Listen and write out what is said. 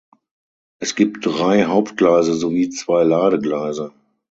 Es gibt drei Hauptgleise sowie zwei Ladegleise.